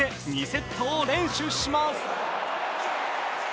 ２セットを連取します。